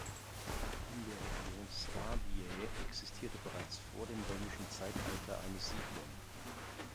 In der Region Stabiae existierte bereits vor dem römischen Zeitalter eine Siedlung.